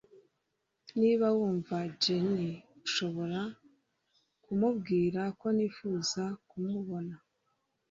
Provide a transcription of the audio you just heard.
Niba wumva Jenny ushobora kumubwira ko nifuza kumubona